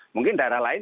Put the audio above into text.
mungkin daerah lain